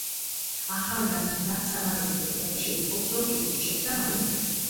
ახალგაზრდა, წარმატებული ფოტოგრაფი შეიტყობს, რომ კიბო სჭირს და მალე მოკვდება.